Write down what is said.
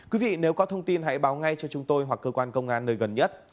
quý vị nếu có thông tin hãy báo ngay cho chúng tôi hoặc cơ quan công an nơi gần nhất